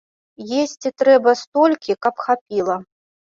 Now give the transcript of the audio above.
Есці трэба столькі, каб хапіла.